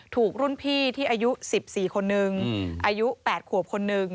ถูกรุ่นพี่ที่อายุ๑๔คนนึงอายุ๘ขวบคนนึง